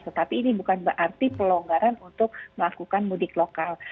tetapi ini bukan berarti pelonggaran untuk melakukan mudik lokal